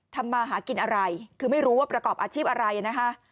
มาหากินอะไรคือไม่รู้ว่าประกอบอาชีพอะไรนะคะ